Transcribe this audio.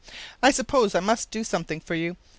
I suppose I must do something for you.